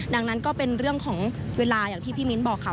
ดังนั้นก็เป็นเรื่องของเวลาอย่างที่พี่มิ้นบอกค่ะ